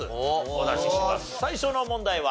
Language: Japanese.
最初の問題は？